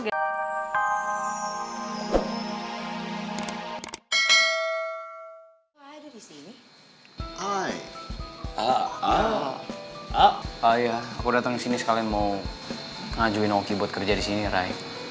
aku dateng disini sekalian mau ngajuin oki buat kerja disini ray